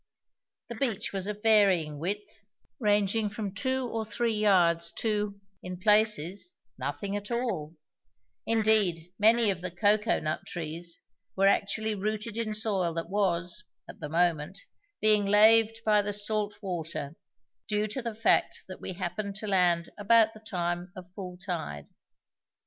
The beach was of varying width, ranging from two or three yards to, in places, nothing at all; indeed many of the cocoa nut trees were actually rooted in soil that was, at the moment, being laved by the salt water, due to the fact that we happened to land about the time of full tide.